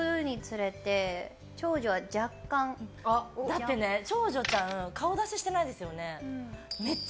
だって長女ちゃん顔出ししてないですよね。